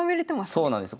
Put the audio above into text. そうなんです。